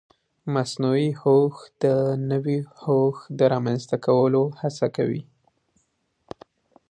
مصنوعي هوښ د نوي هوښ د رامنځته کولو هڅه کوي.